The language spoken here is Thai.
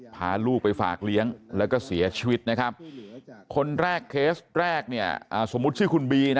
พาลูกไปฝากเลี้ยงแล้วก็เสียชีวิตนะครับคนแรกเคสแรกสมมุติ